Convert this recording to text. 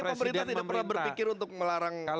tapi sama sekali pemerintah tidak pernah berpikir untuk melarang